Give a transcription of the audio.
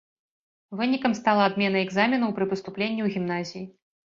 Вынікам стала адмена экзаменаў пры паступленні ў гімназіі.